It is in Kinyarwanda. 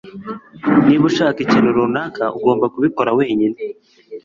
Niba ushaka ikintu runaka, ugomba kubikora wenyine.